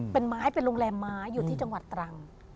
เป็นไม้เป็นโรงแรมไม้อยู่ที่จังหวัดตรัง